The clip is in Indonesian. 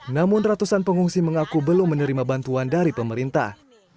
namun ratusan pengungsi mengaku belum menerima bantuan dari pemerintah